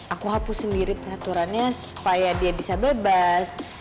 aku hapus sendiri peraturannya supaya dia bisa bebas